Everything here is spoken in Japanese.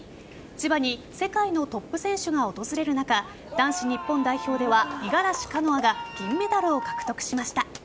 千葉に世界のトップ選手が訪れる中男子日本代表では五十嵐カノアが銀メダルを獲得しました。